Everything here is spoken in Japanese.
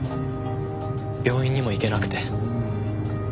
病院にも行けなくて。